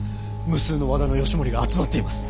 無数の和田義盛が集まっています！